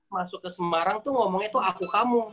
masuk ke semarang tuh ngomongnya tuh aku kamu